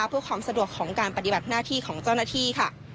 เพื่อความสะดวกของการปฏิบัติหน้าที่ของเจ้าหน้าที่ค่ะ